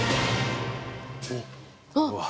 おっ。